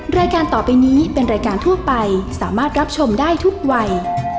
รายการต่อไปนี้เป็นรายการทั่วไปสามารถรับชมได้ทุกวัย